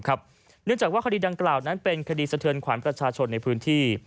เนื่องจากว่าคดีดังกล่าวนั้นเป็นคดีสะเทือนขวัญประชาชนในพื้นที่